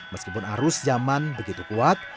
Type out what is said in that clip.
meskipun arus zaman begitu kuat